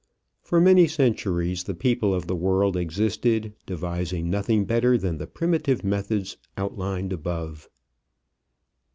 For many centuries the people of the world existed, devising nothing better than the primitive methods outlined above.